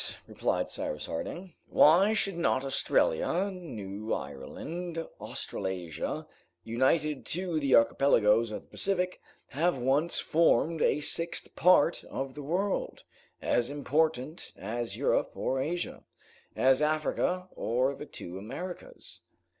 replied Cyrus Harding. "Why should not Australia, New Ireland, Australasia, united to the archipelagoes of the Pacific, have once formed a sixth part of the world, as important as Europe or Asia, as Africa or the two Americas?